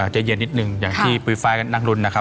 ใจเย็นนิดนึงอย่างที่ปุ๋ยฟ้าก็นั่งรุ้นนะครับ